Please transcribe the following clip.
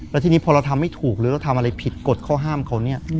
แล้วทีนี้พอเราทำไม่ถูกหรือเราทำอะไรผิดกฎข้อห้ามเขาเนี่ย